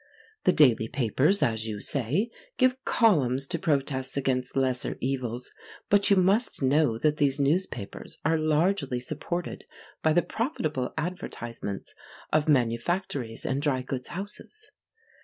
The daily papers, as you say, give columns to protests against lesser evils, but you must know that these newspapers are largely supported by the profitable advertisements of manufactories and dry goods houses.